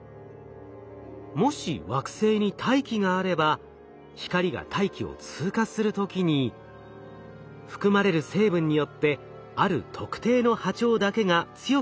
もし惑星に大気があれば光が大気を通過する時に含まれる成分によってある特定の波長だけが強く吸収されます。